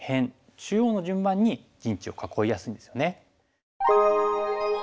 中央の順番に陣地を囲いやすいんですよね。